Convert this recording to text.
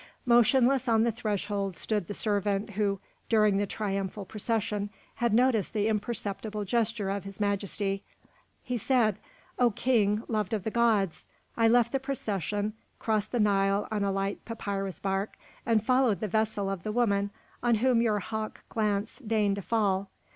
Motionless on the threshold stood the servant who, during the triumphal procession, had noticed the imperceptible gesture of His Majesty. He said: "O King, loved of the gods! I left the procession, crossed the Nile on a light papyrus bark and followed the vessel of the woman on whom your hawk glance deigned to fall.